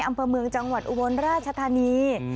อำเภอเมืองจังหวัดอุบลราชธานี